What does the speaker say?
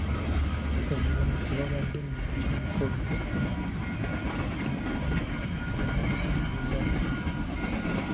Omulala ku baabadde mu lukiiko luno ataayagadde kumwasanguza linnya.